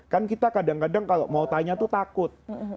kan kita kadang kadang kalau mau tanya itu takut